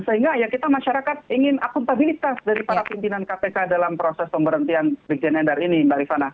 sehingga ya kita masyarakat ingin akuntabilitas dari para pimpinan kpk dalam proses pemberhentian brigjen endar ini mbak rifana